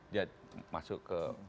dia masuk ke